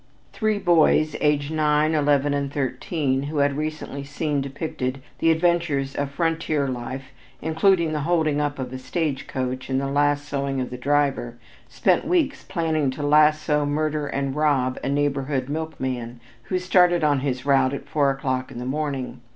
Three boys, aged nine, eleven and thirteen years, who had recently seen depicted the adventures of frontier life including the holding up of a stage coach and the lassoing of the driver, spent weeks planning to lasso, murder, and rob a neighborhood milkman, who started on his route at four o'clock in the morning.